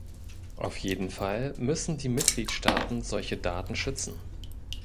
Auf jeden Fall müssen die Mitgliedstaaten solche Daten schützen.